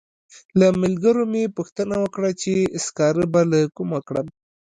له ملګرو مې پوښتنه وکړه چې سکاره به له کومه کړم.